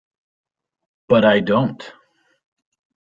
But I don't!